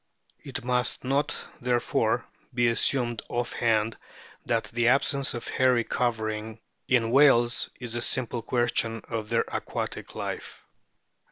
It must not, therefore, be assumed off hand that the absence of hairy covering in whales is a simple question of their aquatic life.